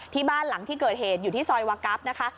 บ้านหลังที่เกิดเหตุอยู่ที่ซอยวากัฟนะคะ